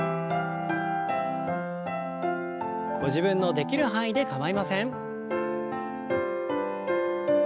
ご自分のできる範囲で構いません。